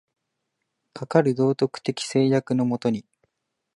かかる道徳的制約の下に、